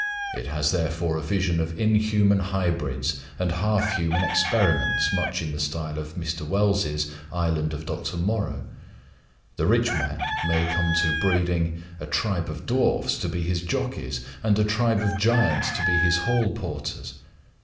It has therefore a vision of inhuman hybrids and half human experiments much in the style of Mr. Wells's "Island of Dr. Moreau." The rich man may come to breeding a tribe of dwarfs to be his jockeys, and a tribe of giants to be his hall porters.